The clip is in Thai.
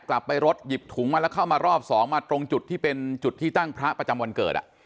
กลับไปรถหยิบถุงมาแล้วเข้ามารอบสองมาตรงจุดที่เป็นจุดที่ตั้งพระประจำวันเกิด